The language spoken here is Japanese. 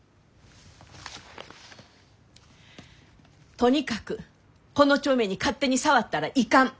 とにかくこの帳面に勝手に触ったらいかん。